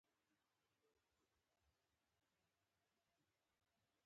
• ریښتینی ملګری هیڅکله نه هېریږي.